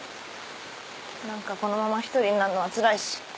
何かこのまま１人になるのはつらいし。